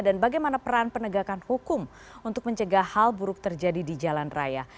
dan bagaimana peran penegakan hukum untuk mencegah hal buruk terjadi di jalan raya